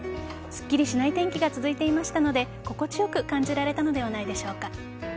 すっきりしない天気が続いていましたので心地よく感じられたのではないでしょうか。